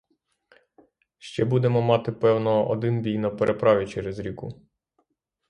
Ще будемо мати, певно, один бій на переправі через ріку.